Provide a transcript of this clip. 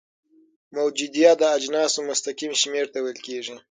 موجودیه د اجناسو مستقیم شمیر ته ویل کیږي.